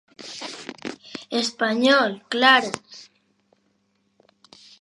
Español, claro.